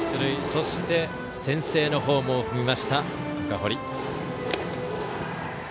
そして先制のホームを踏みました赤堀。